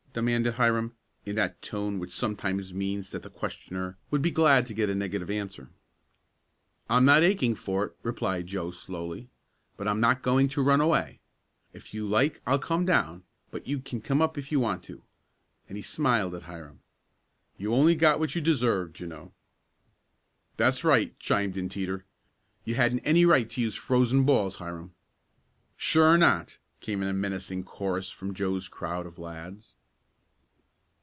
demanded Hiram, in that tone which sometimes means that the questioner would be glad to get a negative answer. "I'm not aching for it," replied Joe slowly. "But I'm not going to run away. If you like I'll come down, but you can come up if you want to," and he smiled at Hiram. "You only got what you deserved, you know." "That's right," chimed in Teeter. "You hadn't any right to use frozen balls, Hiram." "Sure not!" came in a menacing chorus from Joe's crowd of lads.